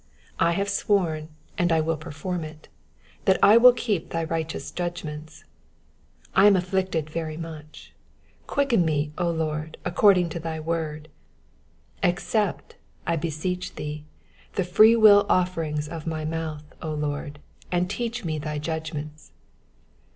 io6 I have sworn, and I will perform zV, that I will keep thy righteous judgments. 107 I am afflicted very much : quicken me, O Lord, according unto thy word. 108 Accept, I beseech thee, the freewill offerings of my mouth, O Lord, and teach me thy judgments.